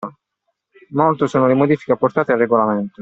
Molto sono le modifiche apportate al regolamento.